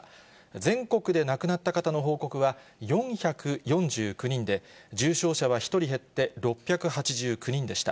全国で亡くなった方の報告は４４９人で、重症者は１人減って６８９人でした。